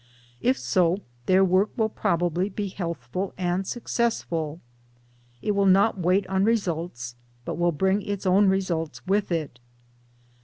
If so their work will probably be healthful and suc cessful. It will not wait on results but will bring; its own results with it.